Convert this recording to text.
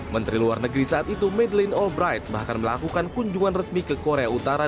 menteri luar negeri saat itu madeleine albright bahkan melakukan kunjungan resmi ke korea utara